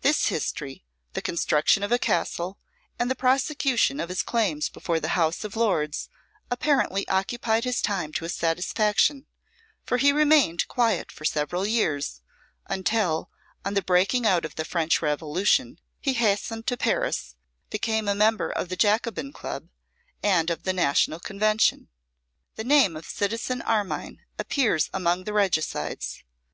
This history, the construction of a castle, and the prosecution of his claims before the House of Lords, apparently occupied his time to his satisfaction, for he remained quiet for several years, until, on the breaking out of the French Revolution, he hastened to Paris, became a member of the Jacobin Club, and of the National Convention. The name of Citizen Armine appears among the regicides.